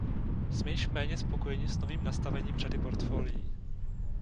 Jsme již méně spokojeni s novým nastavením řady portfolií.